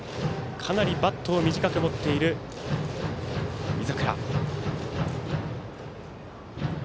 かなりバットを短く持っている井櫻。